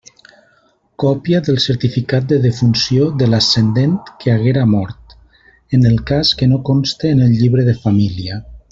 Còpia del certificat de defunció de l'ascendent que haguera mort, en el cas que no conste en el llibre de família.